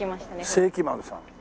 世紀丸さん。